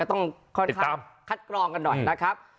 ต้องค่อนข้างคัดกรองกันหน่อยนะครับ